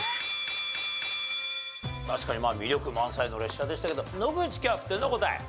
確かに魅力満載の列車でしたけど野口キャプテンの答え。